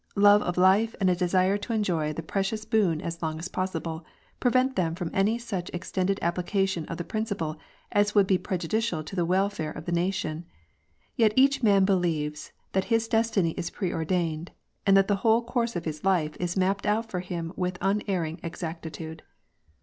Love of life and a desire to enjoy the precious boon as long as possible, prevent them from any such extended application of the principle as would be prejudicial to the welfare of the nation ; yet each man believes that his destiny is pre ordained, and that the whole course of his life is mapped out for him with unerring exactitude.